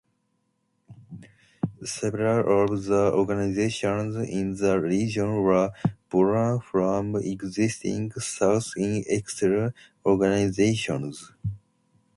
Several of the organizations in the Region were borne from existing Scouts-in-Exile organizations.